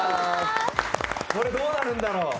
これ、どうなるんだろう。